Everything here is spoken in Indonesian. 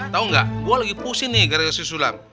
tau ga gua lagi pusing nih gara gara si sulam